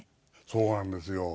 そうなんですよ。